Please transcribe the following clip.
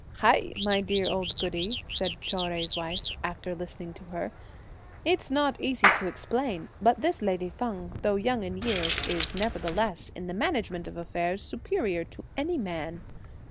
"Hai! my dear old goody," said Chou Jui's wife, after listening to her, "it's not easy to explain; but this lady Feng, though young in years, is nevertheless, in the management of affairs, superior to any man.